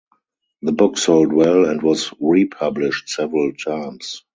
The book sold well and was republished several times.